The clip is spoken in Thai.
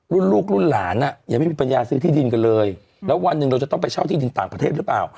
ลูกรุ่นหลานอ่ะยังไม่มีปัญญาซื้อที่ดินกันเลยแล้ววันหนึ่งเราจะต้องไปเช่าที่ดินต่างประเทศหรือเปล่า